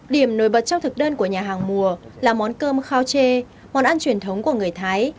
điểm nổi bật trong thực đơn của nhà hàng mùa là món cơm khao chê món ăn truyền thống của người thái